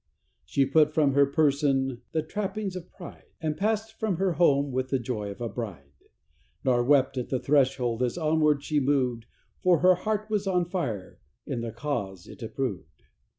She put from her person the trappings of pride, And passed from her home with the joy of a bride; Nor wept at the threshold as onward she moved, For her heart was on fire in the cause it approved.